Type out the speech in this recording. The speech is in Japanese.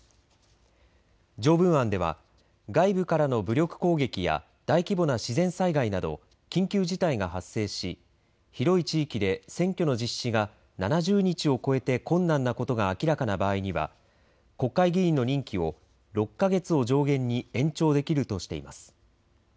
条文案では外部からの武力攻撃や大規模な自然災害など緊急事態が発生し広い地域で選挙の実施が７０日を超えて困難なことが明らかな場合には国会議員の任期を６か月を上限に延長できるとしています。